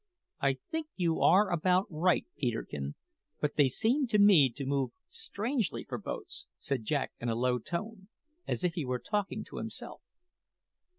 "I think you are about right, Peterkin. But they seem to me to move strangely for boats," said Jack in a low tone, as if he were talking to himself.